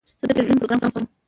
زه د تلویزیون پروګرام خوښوم.